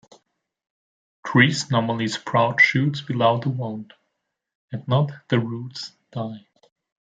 Trees normally sprout shoots below the wound; if not, the roots die.